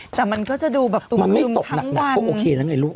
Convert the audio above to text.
แต่มันก็จะดูแบบมันไม่ตกหนักก็โอเคนะไงลูก